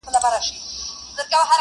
مګر، پرته له هیڅ ډول مبالغې -